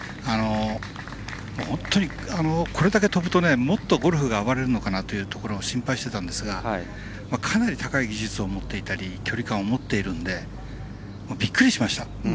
本当にこれだけ飛ぶともっとゴルフが暴れるのかなというところを心配してたんですがかなり高い技術を持っていたり距離感を持っているのでびっくりしました。